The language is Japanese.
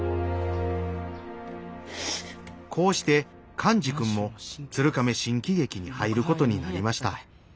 こうして寛治君も鶴亀新喜劇に入ることになりました。